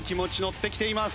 ッてきています。